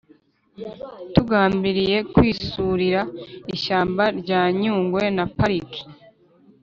tugambiriye kwisurira ishyamba rya Nyungwe na Pariki